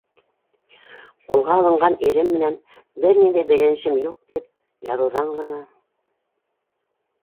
«Ҡулға алынған ирем менән бер ниндәй бәйләнешем юҡ», - тип яҙыуҙан ғына...